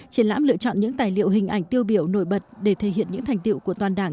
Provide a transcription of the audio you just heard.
triển lãm lựa chọn những tài liệu hình ảnh tiêu biểu nổi bật để thể hiện những thành tiệu của toàn đảng